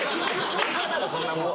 ケンカだろそんなもん。